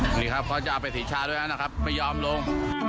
นี่ครับพ่อจะเอาไปธิชชาด้วยนะครับไปยอมลง